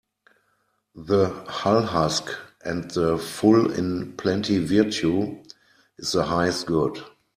The hull husk and the full in plenty Virtue is the highest good.